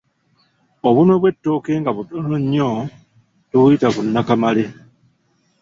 Obunwe bw’ettooke nga butono nnyo tubuyita Bunakamale.